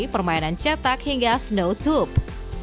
permaingan catak hingga snow tube